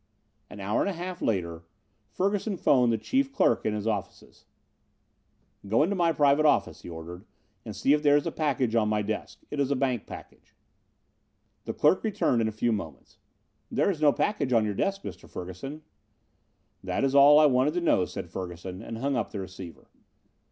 An hour and a half later, Ferguson phoned the chief clerk in his offices: "Go into my private office," he ordered, "and see if there is a package on my desk. It is a bank package." The clerk returned in a few moments. "There is no package on your desk, Mr. Ferguson." "That is all I wanted to know," said Ferguson, and hung up the receiver.